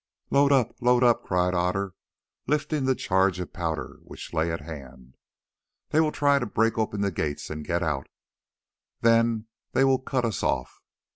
"Load up, load up!" cried Otter, lifting the charge of powder which lay at hand. "They will try to break open the gates and get out, then they will cut us off."